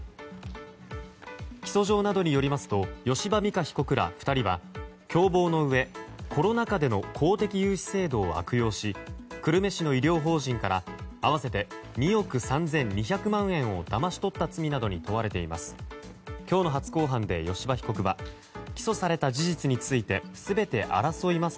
起訴状などによりますと吉羽美華被告ら２人は共謀のうえコロナ禍での公的融資制度を悪用し久留米市の医療法人から合わせて２億３２００万円をだまし取った罪などに問われています。